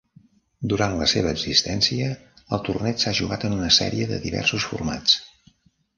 Durant la seva existència, el torneig s'ha jugat en una sèrie de diversos formats.